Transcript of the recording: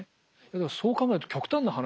だけどそう考えると極端な話